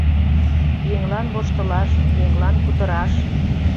Еҥлан воштылаш, еҥлан кутыраш